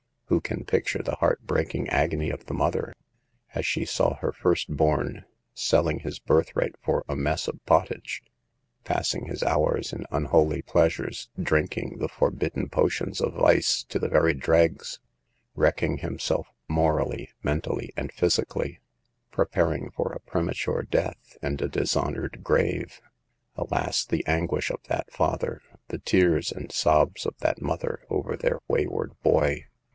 Who can picture the heart breaking agony of the mother, as she saw her first born selling his birthright for a mess of pottage, passing his hours in un holy pleasures, drinking the forbidden potions of vice to the very dregs, wrecking himself, morally, mentally and physically, preparing for a premature death and a dishonored grave? Alas, the anguish of that father, the tears and sobs of that mother, over their wayward boy